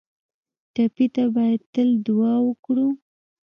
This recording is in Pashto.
ټپي ته باید تل دعا وکړو